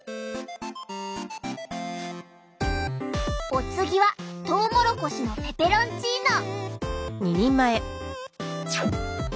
お次はトウモロコシのペペロンチーノ。